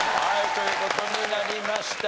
という事になりました。